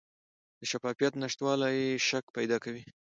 د شفافیت نشتوالی شک پیدا کوي